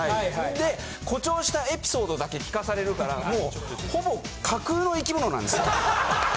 で誇張したエピソードだけ聞かされるからもうほぼ架空の生き物なんですよ。